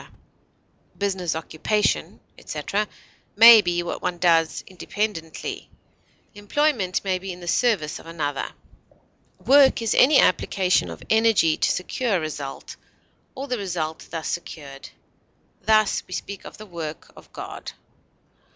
Business, occupation, etc., may be what one does independently; employment may be in the service of another. Work is any application of energy to secure a result, or the result thus secured; thus, we speak of the work of God.